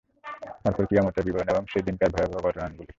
তারপর কিয়ামতের বিবরণ এবং সে দিনকার ভয়াবহ ঘটনাবলী।